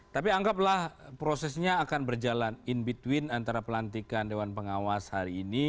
tapi anggaplah prosesnya akan berjalan in between antara pelantikan dewan pengawas hari ini